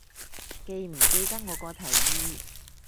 記唔記得我個提議